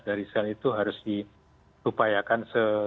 dari sel itu harus diupayakan